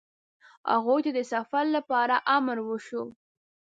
هغوی ته د سفر لپاره امر وشو.